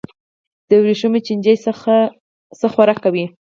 د وریښمو چینجی څه خوراک کوي؟